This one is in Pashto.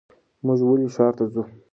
مونږ ولې ښار ته ځو؟